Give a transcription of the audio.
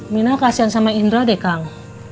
minah kasihan sama indra deh kak